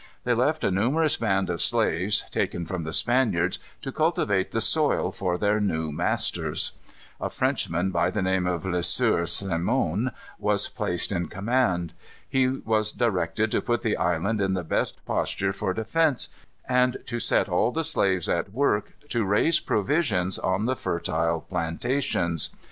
They left a numerous band of slaves, taken from the Spaniards, to cultivate the soil for their new masters. A Frenchman, by the name of Le Sieur Simon, was placed in command. He was directed to put the island in the best posture for defence, and to set all the slaves at work to raise provisions on the fertile plantations.